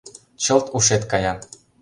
— Чылт ушет кая!..